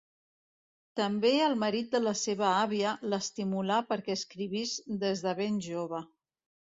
També el marit de la seva àvia l'estimulà perquè escrivís des de ben jove.